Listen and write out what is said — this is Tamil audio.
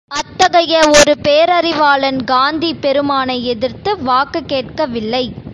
அத்தகைய ஒரு பேரறிவாளன் காந்தி பெருமானை எதிர்த்து வாக்கு கேட்கவில்லை.